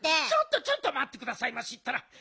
ちょっとちょっとまってくださいましったら。